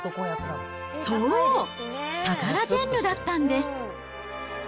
そう、タカラジェンヌだったんです。